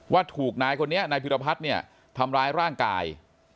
ว่าถูกนายคนนี้นายพิรพัฒน์เนี่ยทำร้ายร่างกาย